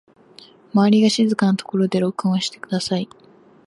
周りが静かなところで録音してください